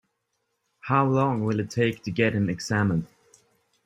How long will it take to get him examined?